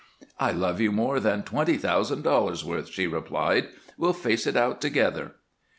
"I love you more than twenty thousand dollars' worth," she replied. "We'll face it out together."